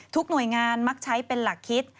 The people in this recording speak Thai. หน่วยงานมักใช้เป็นหลักคิด